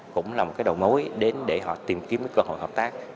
cũng là một cái đầu mối đến để họ tìm kiếm cái cơ hội hợp tác